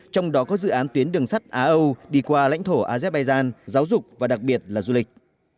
trong đó có dự án tuyến đường sắt á âu đi qua lãnh thổ azerbaijan giáo dục và đặc biệt là du lịch